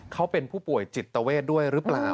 เขาเป็นผู้ป่วยจิตเวทด้วยหรือเปล่า